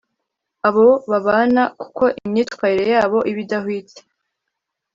abo babana kuko imyitwarire yabo iba idahwitse,